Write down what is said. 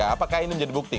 apakah ini menjadi bukti